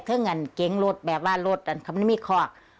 ซึ่งอันเก่งโหลดแบบว่าโหลดอันเขาไม่มีคอก